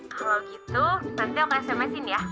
kalau gitu nanti aku sms in ya